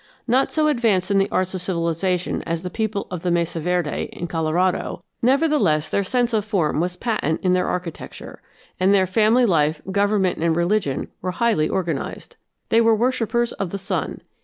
Not so advanced in the arts of civilization as the people of the Mesa Verde, in Colorado, nevertheless their sense of form was patent in their architecture, and their family life, government, and religion were highly organized. They were worshippers of the sun.